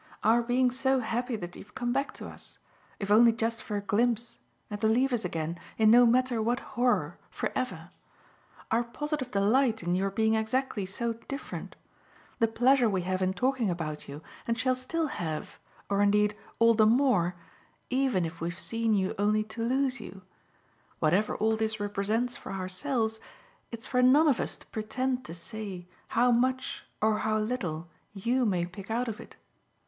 Our being so happy that you've come back to us if only just for a glimpse and to leave us again, in no matter what horror, for ever; our positive delight in your being exactly so different; the pleasure we have in talking about you, and shall still have or indeed all the more even if we've seen you only to lose you: whatever all this represents for ourselves it's for none of us to pretend to say how much or how little YOU may pick out of it.